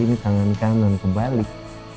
ini tangan kanan kebalik